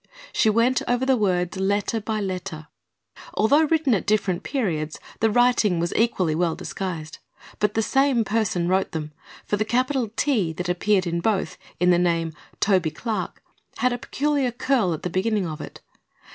She went over the words letter by letter. Although written at different periods the writing was equally well disguised. But the same person wrote them, for the capital "T" that appeared in both, in the name "Toby Clark," had a peculiar curl at the beginning of it.